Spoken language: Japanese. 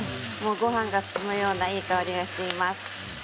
ごはんが進むようないい香りがしています。